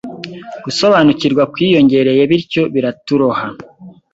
Gusobanukirwa kwiyongereye bityo biraturoha